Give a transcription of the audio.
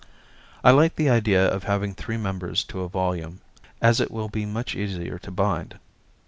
I like the idea of having three members to a volume, as it will be much easier to bind.